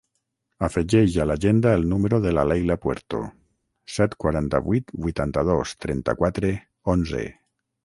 Afegeix a l'agenda el número de la Leila Puerto: set, quaranta-vuit, vuitanta-dos, trenta-quatre, onze.